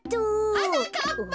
はなかっぱ！